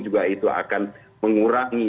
juga itu akan mengurangi